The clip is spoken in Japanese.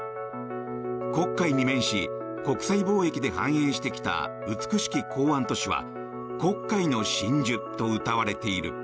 黒海に面し国際貿易で繁栄してきた美しき港湾都市は黒海の真珠とうたわれている。